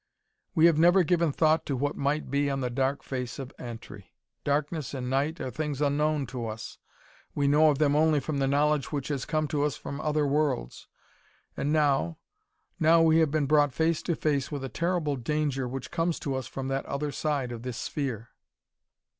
"We have never given thought to what might be on the dark face of Antri. Darkness and night are things unknown to us; we know of them only from the knowledge which has come to us from other worlds. And now now we have been brought face to face with a terrible danger which comes to us from that other side of this sphere.